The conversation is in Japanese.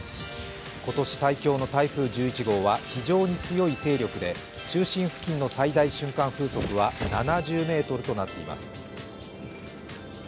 今年最強の台風１１号は非常に強い勢力で中心付近の最大瞬間風速は７０メートルとなっています。